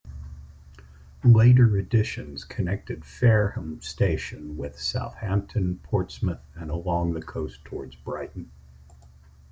Later additions connected Fareham station with Southampton, Portsmouth and along the coast towards Brighton.